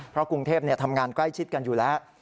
เพราะกรุงเทพทำงานใกล้ชิดกันอยู่แล้ว